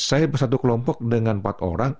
saya satu kelompok dengan empat orang